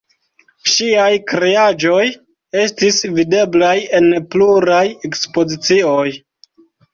Ŝiaj kreaĵoj estis videblaj en pluraj ekspozicioj.